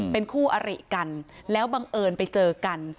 เป็นคู่อริกันแล้วบังเอิญไปเจอกัน